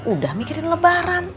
udah mikirin lebaran